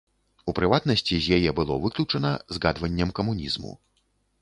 У прыватнасці, з яе было выключана згадваннем камунізму.